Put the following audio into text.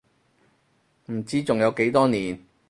唔知仲有幾多年